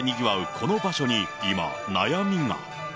この場所に、今、悩みが。